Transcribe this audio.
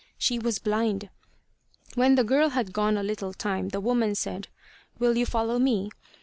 She was blind. When the girl had been gone a little time the woman said: "Will you follow me?"